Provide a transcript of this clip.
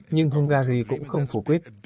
nhưng hungary cũng không phủ quyết